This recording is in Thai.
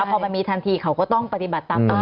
พอมันมีทันทีเขาก็ต้องปฏิบัติตามเป้า